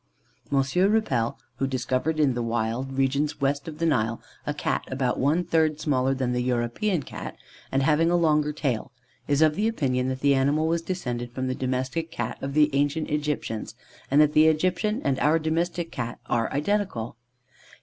M. Rüppel, who discovered in the wild regions west of the Nile a Cat about one third smaller than the European Cat, and having a longer tail, is of opinion that the animal was descended from the domestic Cat of the ancient Egyptians, and that the Egyptian and our domestic Cat are identical.